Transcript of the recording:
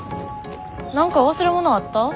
何か忘れ物あった？